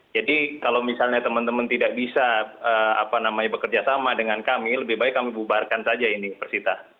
jadi kalau misalnya teman teman tidak bisa bekerja sama dengan kami lebih baik kami bubarkan saja ini persita